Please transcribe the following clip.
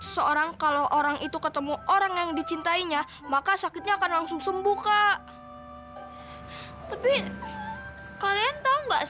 sampai jumpa di video selanjutnya